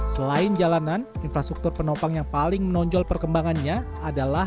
selain jalanan infrastruktur penopang yang paling menonjol perkembangannya adalah